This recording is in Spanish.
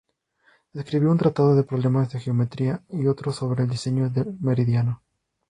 Escribió un tratado de problemas de geometría y otro sobre el diseño del meridiano.